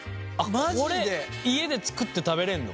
これ家で作って食べれんの？